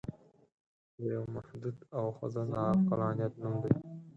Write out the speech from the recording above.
د یوه محدود او خوځنده عقلانیت نوم دی.